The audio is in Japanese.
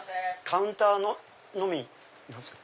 カウンターのみですか？